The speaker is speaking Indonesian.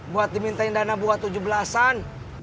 buat dimintain dana buat tujuh belasan